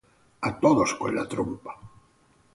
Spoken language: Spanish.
A todos con la trompa